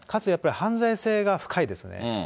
かつやっぱり犯罪性が深いですよね。